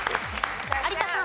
有田さん。